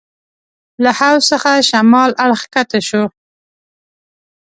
له حوض څخه شمال اړخ کښته شوو.